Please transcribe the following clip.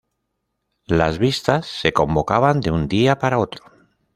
Las vistas se convocaban de un día para otro.